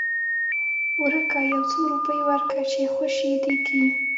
ورکه يو څو روپۍ ورکه چې خوشې دې کي.